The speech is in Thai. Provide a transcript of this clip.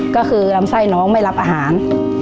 ก็คือลำไส้น้องไม่รับอาหาร